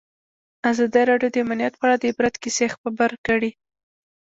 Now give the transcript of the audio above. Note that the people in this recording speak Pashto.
ازادي راډیو د امنیت په اړه د عبرت کیسې خبر کړي.